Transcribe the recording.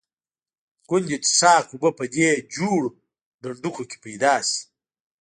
ګوندې د څښاک اوبه په دې جوړو ډنډوکو کې پیدا شي.